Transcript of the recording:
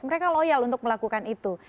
mereka loyal untuk melakukan itu